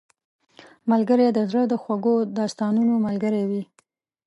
ملګری د زړه د خوږو داستانونو ملګری وي